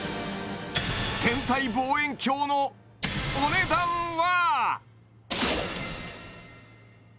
天体望遠鏡のお値段は？